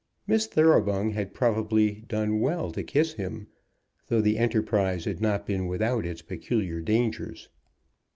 Miss Thoroughbung had probably done well to kiss him, though the enterprise had not been without its peculiar dangers.